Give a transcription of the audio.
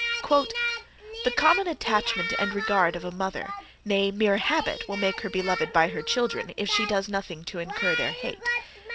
"The common attachment and regard of a mother, nay, mere habit, will make her beloved by her children, if she does nothing to incur their hate.